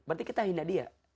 berarti kita hina dia